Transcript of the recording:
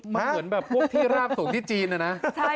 เหมือนแบบพวกที่ราบสูงที่จีนนะนะ